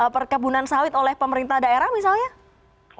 perkebunan sawit oleh pemerintah daerah misalnya